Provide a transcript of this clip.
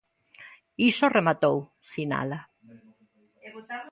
"Iso rematou", sinala.